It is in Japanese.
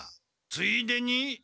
ついでに」。